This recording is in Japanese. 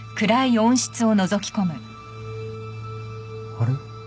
あれ？